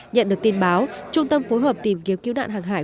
nhận được tin báo trung tâm phối hợp tìm kiếm cứu nạn hàng hải